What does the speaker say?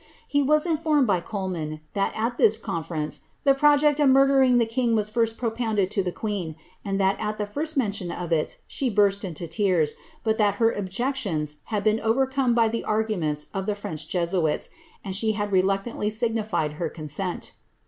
He was informed by Coleman, that at this conference the pfitject of murdering the king was first propounded to the queen, and that at the lirst mention of it she burst into tears, but that her objectiooi had been overcome by the ailments of the French Jesuits, and she hMl reluctantly signified her consent."'